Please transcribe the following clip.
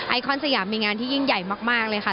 คอนสยามมีงานที่ยิ่งใหญ่มากเลยค่ะ